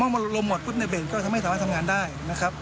มอบลงหมดคุณให้ทำงานได้นะครับ